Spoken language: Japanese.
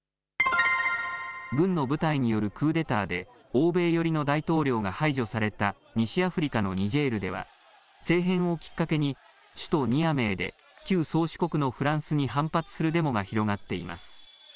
軍の部隊によるクーデターで欧米寄りの大統領が排除された西アフリカのニジェールでは政変をきっかけに首都ニアメーで旧宗主国のフランスに反発するデモが広がっています。